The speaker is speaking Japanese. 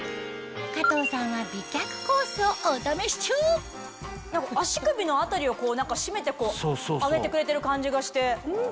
加藤さんは美脚コースをお試し中足首の辺りを締めて上げてくれてる感じがして。